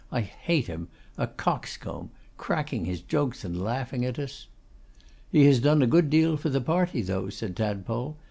'I hate him. A coxcomb! Cracking his jokes and laughing at us.' 'He has done a good deal for the party, though,' said Tadpole.